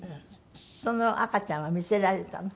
その赤ちゃんは見せられたの？